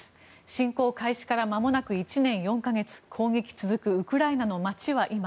侵攻開始からまもなく１年４か月攻撃続くウクライナの街は今。